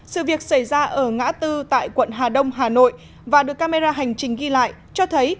sự việc xảy ra ở ngã tư tại quận hà đông hà nội và được camera hành trình ghi lại cho thấy